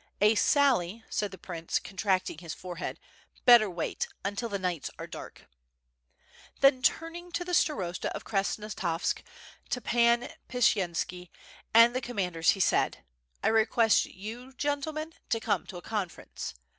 "A sally," said the prince, contracting his forehead, 'Haetter wait ... until the nights are dark." ... Then turning to the Starosta of Krasnostavsk, to Pan Pshiyenski, and the commanders, he said: *T request you, gentlemen, to come to a conference."